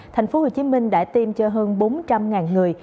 tp hcm đã tiêm cho hơn bốn trăm linh người